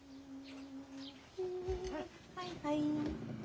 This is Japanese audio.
はいはい。